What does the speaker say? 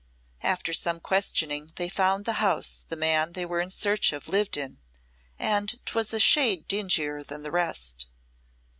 After some questioning they found the house the man they were in search of lived in, and 'twas a shade dingier than the rest.